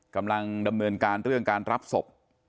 กำลังดำเนินการเรื่องการรับศพ